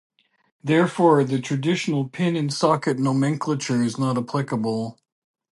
Therefore, the traditional pin and socket nomenclature is not applicable.